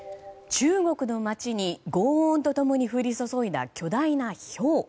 中国の街に轟音と共に降り注いだ巨大なひょう。